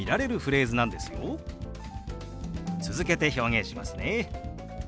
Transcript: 続けて表現しますね。